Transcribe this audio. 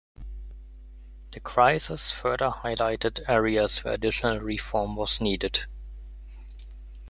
The crisis further highlighted areas where additional reform was needed.